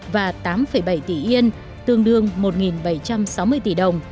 và tám bảy tỷ yên tương đương một bảy trăm sáu mươi tỷ đồng